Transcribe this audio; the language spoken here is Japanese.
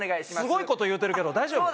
すごいこと言うてるけど大丈夫？